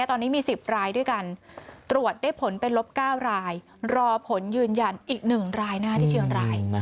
ตอนนี้มี๑๐รายด้วยกันตรวจได้ผลเป็นลบ๙รายรอผลยืนยันอีก๑รายที่เชียงราย